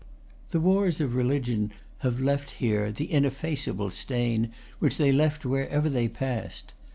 The wars of re ligion have left here the ineffaceable stain which they left wherever they passed.